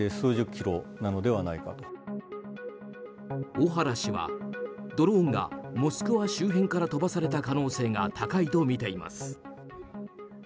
小原氏はドローンがモスクワ周辺から飛ばされた可能性が高いとみています。